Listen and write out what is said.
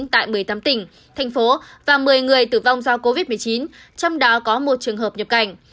tại một mươi tám tỉnh thành phố và một mươi người tử vong do covid một mươi chín trong đó có một trường hợp nhập cảnh